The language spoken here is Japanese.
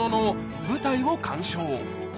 舞台を鑑賞